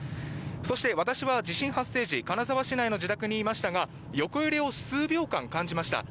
そして、私は地震発生時金沢市内の自宅にいましたが横揺れを数秒間、感じました。